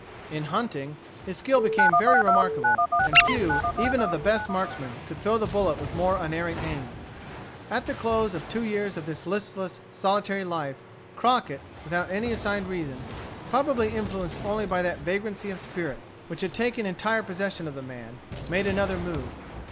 In hunting, his skill became very remarkable, and few, even of the best marksmen, could throw the bullet with more unerring aim. At the close of two years of this listless, solitary life, Crockett, without any assigned reason, probably influenced only by that vagrancy of spirit which had taken entire possession of the man, made another move.